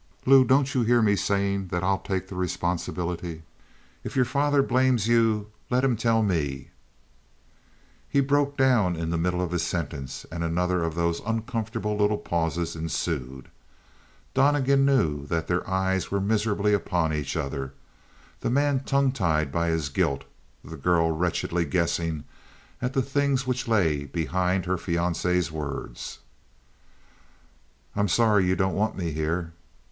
"Lou, don't you hear me saying that I'll take the responsibility? If your father blames you let him tell me " He broke down in the middle of his sentence and another of those uncomfortable little pauses ensued. Donnegan knew that their eyes were miserably upon each other; the man tongue tied by his guilt; the girl wretchedly guessing at the things which lay behind her fiancé's words. "I'm sorry you don't want me here."